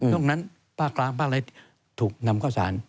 ตรงนั้นภาคกลางภาคอะไรถูกนำเข้าสาร